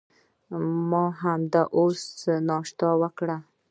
ما همدا اوس ناشته وکړه.